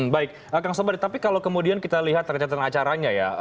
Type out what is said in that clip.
baik kang sobade tapi kalau kemudian kita lihat rencana rencana acaranya ya